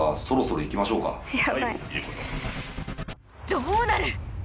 どうなる⁉